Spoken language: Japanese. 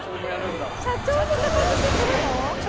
社長も片付けするの？